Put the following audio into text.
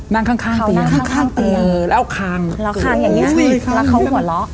นั่งข้างข้างเขานั่งข้างข้างเตียงเออแล้วคางแล้วคางอย่างเงี้แล้วเขาหัวเราะ